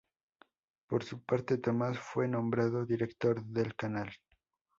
Por su parte, Thomas fue nombrado director del canal.